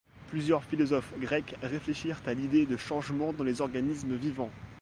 Plusieurs philosophes grecs réfléchirent à l'idée de changements dans les organismes vivants.